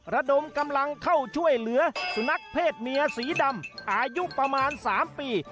ระดมกำลังเข้าช่วยเหลือสุนัขเพศเมียสีดำอายุประมาณ๓ปี